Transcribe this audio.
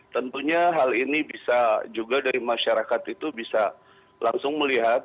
tentunya hal ini bisa juga dari masyarakat itu bisa langsung melihat